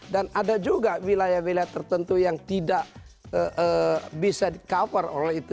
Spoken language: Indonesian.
dan ada juga wilayah wilayah tertentu yang tidak bisa di cover oleh itu